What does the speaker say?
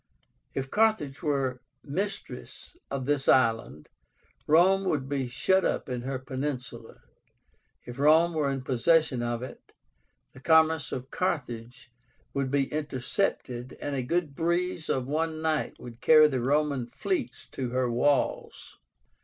If Carthage were mistress of this island, Rome would be shut up in her peninsula; if Rome were in possession of it, "the commerce of Carthage would be intercepted, and a good breeze of one night would carry the Roman fleets to her walls".